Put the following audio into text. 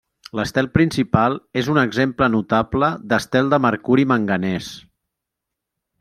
L'estel principal és un exemple notable d'estel de mercuri-manganès.